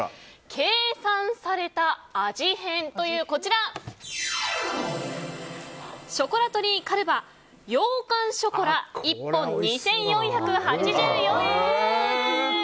計算された味変というショコラトリーカルヴァ羊羹ショコラ１本２４８４円。